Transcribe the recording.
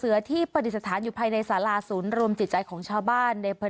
เสือที่ปฏิสถานอยู่ภายในสาราศูนย์รวมจิตใจของชาวบ้านในอำเภอ